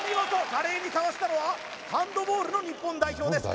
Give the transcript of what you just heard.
華麗にかわしたのはハンドボールの日本代表です